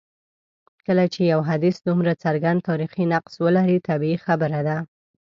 کله چي یو حدیث دومره څرګند تاریخي نقص ولري طبیعي خبره ده.